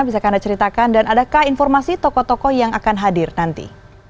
bisakah anda ceritakan dan adakah informasi tokoh tokoh yang akan hadir nanti